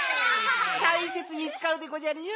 たいせつにつかうでごじゃるよ。